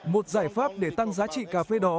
một giải pháp để tăng giá trị cà phê đó